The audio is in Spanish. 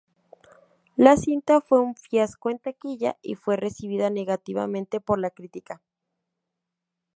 La cinta fue un fiasco en taquilla y fue recibida negativamente por la crítica.